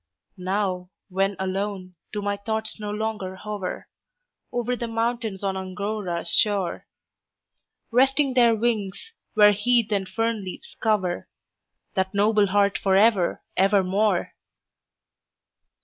Now, when alone, do my thoughts no longer hover Over the mountains on Angora's shore, Resting their wings, where heath and fern leaves cover That noble heart for ever, ever more?